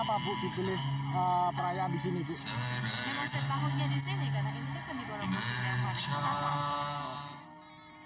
memang saya pahutnya disini karena ini kan candi berbudur yang paling keren